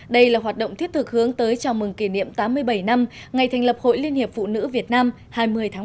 đây là hoạt động thiết thực hướng tới chào mừng kỷ niệm tám mươi bảy năm ngày thành lập hội liên hiệp phụ nữ việt nam hai mươi tháng một mươi